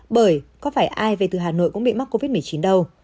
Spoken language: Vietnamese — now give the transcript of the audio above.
bởi có phải ai về từ hà nội cũng bị mắc covid một mươi chín đâu